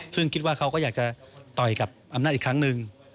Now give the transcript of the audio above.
ซึ่งคิดว่าเขาก็อยากจะต่อยกับอำนาจอีกครั้งหนึ่ง